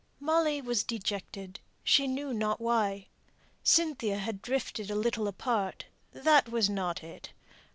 Molly was dejected, she knew not why. Cynthia had drifted a little apart; that was not it.